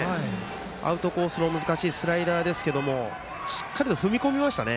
アウトコースの難しいスライダーでしたけどもしっかりと踏み込みましたね。